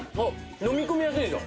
のみ込みやすいですよ。